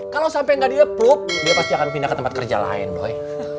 kalau sampai nggak di approve dia pasti akan pindah ke tempat kerja lain boy